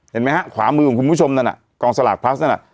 เห็นไหมฮะขวามือของคุณผู้ชมนั่นน่ะกองสลากพลัสนั่นน่ะ